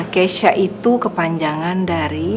kesha itu kepanjangan dari